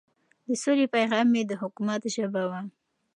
د سولې پيغام يې د حکومت ژبه وه.